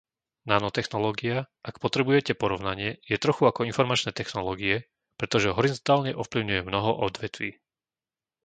Nanotechnológia, ak potrebujete porovnanie, je trochu ako informačné technológie, pretože horizontálne ovplyvňuje mnoho odvetví.